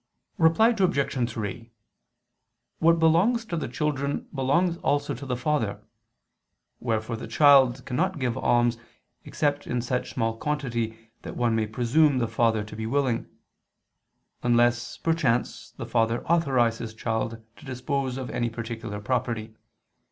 Reply Obj. 3: What belongs to the children belongs also to the father: wherefore the child cannot give alms, except in such small quantity that one may presume the father to be willing: unless, perchance, the father authorize his child to dispose of any particular property.